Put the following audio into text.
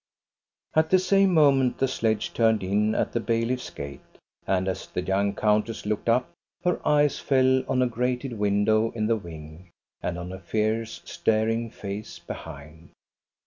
At the same moment the sledge turned in at the bailiffs gate, and as the young countess looked up, her eyes fell on a grated window in the wing, and on a fierce, staring face behind.